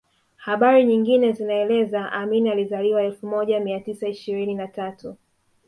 Habari nyingine zinaeleza Amin alizaliwa elfu moja mia tisa ishirini na tatu